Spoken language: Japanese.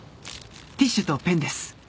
ティッシュとペンです。